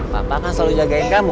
bapak kan selalu jagain kamu